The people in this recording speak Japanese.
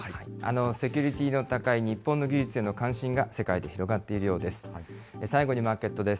セキュリティーの高い日本の技術への関心が世界で広がっているようです。